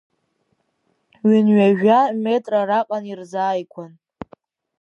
Ҩынҩажәа метра раҟара ирзааигәан.